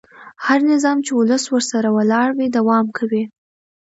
هغه نظام چې ولس ورسره ولاړ وي دوام کوي